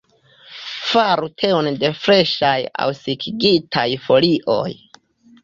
Faru teon de freŝaj aŭ sekigitaj folioj.